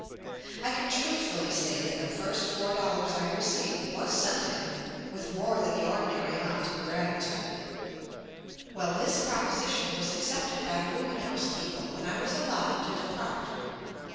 I can truthfully say that the first four dollars I received was sent to him with more than the ordinary amount of JUST ME gratitude. Well, this proposition was accept ed by the rooming house people and I was al lowed to depart.